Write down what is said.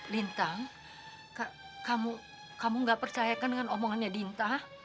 lintang kamu gak percayakan dengan omongannya bintang